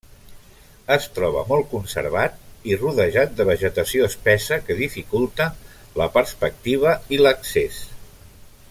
Es troba molt conservat i rodejat de vegetació espessa que dificulta la perspectiva i l'accés.